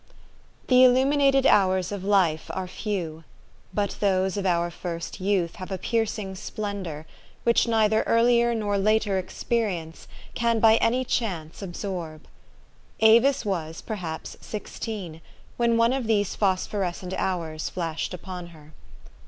THE illuminated hours of life are few ; but those of our first youth have a piercing splendor which neither earlier nor later experience can by any chance absorb. Avis was, perhaps sixteen, when one of these phosphorescent hours flashed upon her.